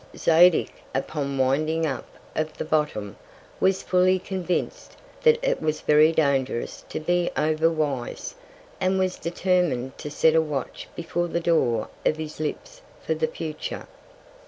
Zadig, upon winding up of the Bottom, was fully convinc'd, that it was very dangerous to be over wise; and was determin'd to set a Watch before the Door of his Lips for the future.